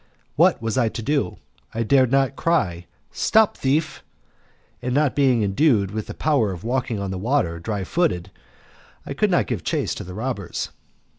What was I to do? I dared not cry, "Stop thief!" and not being endued with the power of walking on the water dry footed, I could not give chase to the robbers.